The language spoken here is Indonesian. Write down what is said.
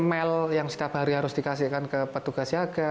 mel yang setiap hari harus dikasihkan ke petugas siaga